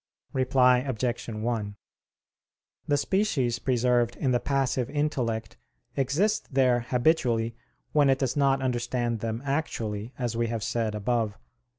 Reply Obj. 1: The species preserved in the passive intellect exist there habitually when it does not understand them actually, as we have said above (Q.